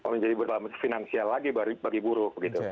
menjadi berdalaman finansial lagi bagi buruh